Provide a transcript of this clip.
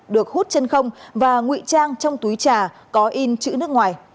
được hút chân không và ngụy trang trong túi trà có in chữ nước ngoài